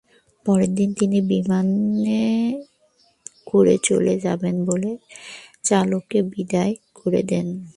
পরের দিন তিনি বিমানে করে চলে যাবেন বলে চালককে বিদায় করে দেন।